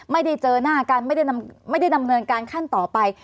ไม่ได้เจอหน้ากันไม่ได้ดำเนินการขั้นต่อไป